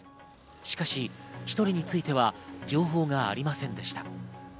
しかし１人については情報がありませんでした。